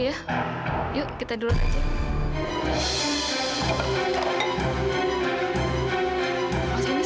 ayo kita berikan dulu